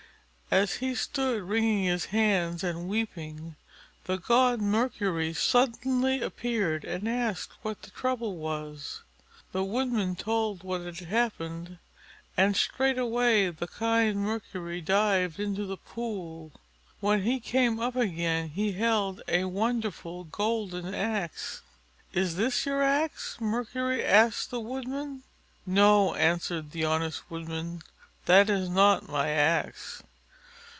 As he stood wringing his hands and weeping, the god Mercury suddenly appeared and asked what the trouble was. The Woodman told what had happened, and straightway the kind Mercury dived into the pool. When he came up again he held a wonderful golden axe. "Is this your axe?" Mercury asked the Woodman. "No," answered the honest Woodman, "that is not my axe."